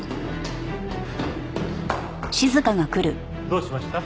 どうしました？